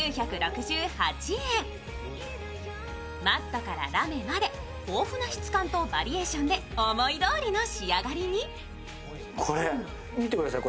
マットからラメまで豊富な質感とバリエーションで思いどおりの仕上がりに。